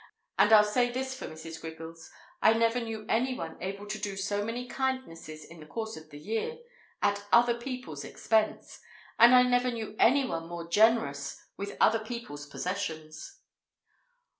And I'll say this for Mrs. Griggles, I never knew anyone able to do so many kindnesses in the course of the year—at other people's expense! And I never knew anyone more generous—with other people's possessions.